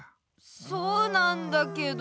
そうなんだけど。